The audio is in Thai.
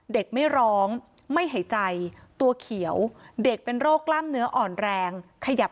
เด็กไม่ร้องไม่หายใจตัวเขียวเด็กเป็นโรคกล้ามเนื้ออ่อนแรงขยับ